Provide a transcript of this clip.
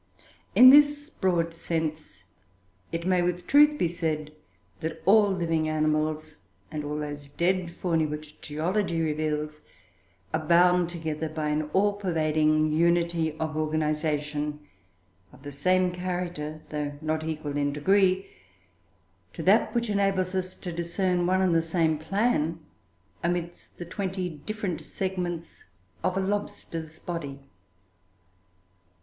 ] In this broad sense, it may with truth be said, that all living animals, and all those dead faunae which geology reveals, are bound together by an all pervading unity of organisation, of the same character, though not equal in degree, to that which enables us to discern one and the same plan amidst the twenty different segments of a lobster's body.